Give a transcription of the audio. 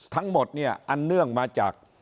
ทั้งหมดเนี่ยอันเนื่องมาจาก